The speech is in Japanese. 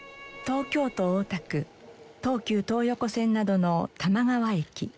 東京都大田区東急東横線などの多摩川駅。